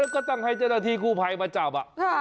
แล้วก็ต้องให้เจ้าหน้าที่กู้ภัยมาจับ